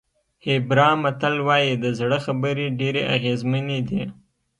هېبرا متل وایي د زړه خبرې ډېرې اغېزمنې دي.